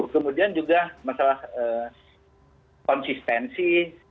kemudian juga masalah konsistensi